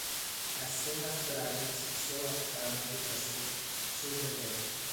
As soon as the rabbits show up around the brushwood, shoot them dead!